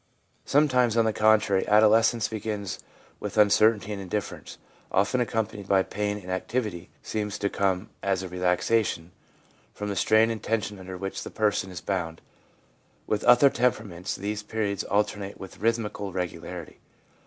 Sometimes, on the contrary, adolescence begins with uncertainty and indifference, often accompanied by pain, and activity seems to come as a relaxation from the strain and tension under which the person is bound. With other temperaments these periods alternate with rhythmical regularity.